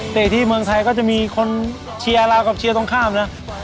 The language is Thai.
ที่เมืองไทยก็จะมีคนเชียร์เรากับเชียร์ตรงข้ามนะ